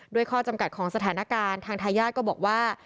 ข้อจำกัดของสถานการณ์ทางทายาทก็บอกว่า